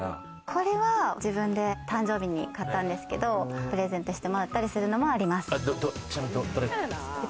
これは自分で誕生日に買ったんですけど、プレゼントしてもらったりしたのもあります。